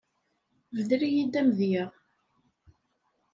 Bder-iyi-d amedya.